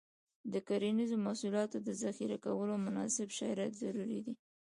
د کرنیزو محصولاتو د ذخیره کولو مناسب شرایط ضروري دي.